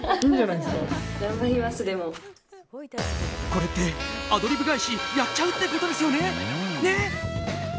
これって、アドリブ返しやっちゃうってことですよね？ね？